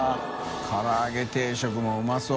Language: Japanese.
唐揚げ定食もうまそう。